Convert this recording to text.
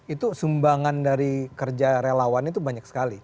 itu sumbangan dari kerja relawan itu banyak sekali